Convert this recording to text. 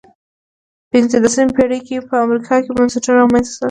پنځلسمې پېړۍ کې په امریکا کې بنسټونه رامنځته شول.